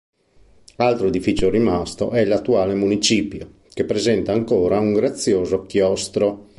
Altro edificio rimasto è l'attuale municipio, che presenta ancora un grazioso chiostro.